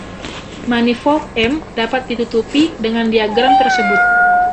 Manifold "M" dapat ditutupi dengan diagram tersebut.